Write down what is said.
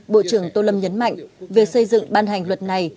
bộ trưởng tô lâm nhấn mạnh việc xây dựng ban hành luật này